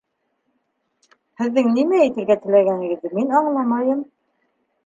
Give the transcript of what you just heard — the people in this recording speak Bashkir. Һеҙҙең нимә әйтергә теләгәнегеҙҙе мин аңламайым